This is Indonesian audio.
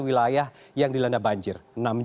wilayah yang dilanda banjir